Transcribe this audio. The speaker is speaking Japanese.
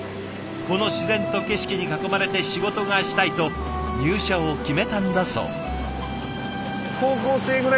この自然と景色に囲まれて仕事がしたいと入社を決めたんだそう。